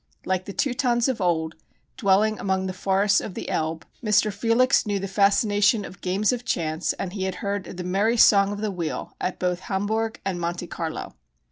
Like the Teutons of old, dwelling among the forests of the Elbe, Mr. Felix knew the fascination of games of chance and he had heard the merry song of the wheel at both Hambourg and Monte Carlo.